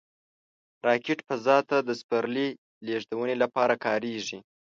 راکټ فضا ته د سپرلي لیږدونې لپاره کارېږي